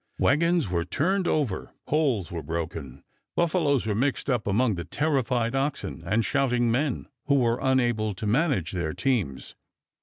Wagons were turned over, poles were broken, buffaloes were mixed up among the terrified oxen and shouting men, who were unable to manage their teams.